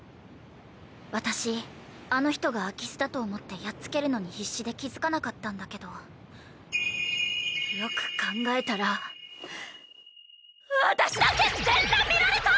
私あの人が空き巣だと思ってやっつけるのに必死で気付かなかったんだけどよく考えたら私だけ全裸見られた！